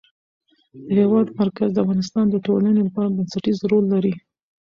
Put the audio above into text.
د هېواد مرکز د افغانستان د ټولنې لپاره بنسټيز رول لري.